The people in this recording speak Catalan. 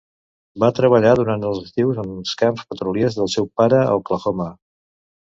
Va treballar durant els estius en els camps petroliers del seu pare a Oklahoma.